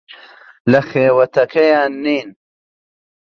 لە خێوەتەکەیان نین.